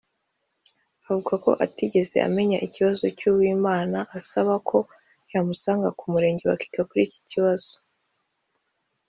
avuga ko atigeze amenya ikibazo cya Uwimana asaba ko yamusanga ku murenge bakiga kuri iki kibazo